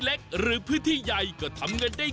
ตมปรดติดตามต่อไป